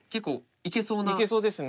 いけそうですね。